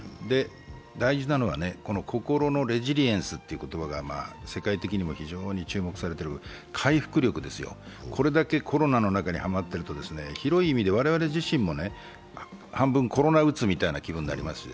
大事なのは、心のレジリエンスという言葉が世界的にも非常に注目されている回復力ですよ、これだけコロナの中にはまってると、広い意味で我々自身も半分コロナうつみたいな気分になりますので、